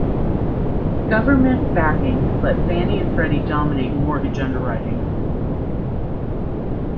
Government backing let Fannie and Freddie dominate mortgage underwriting.